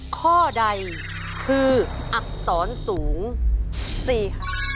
ข้อใดคืออักษรสูงสี่หัก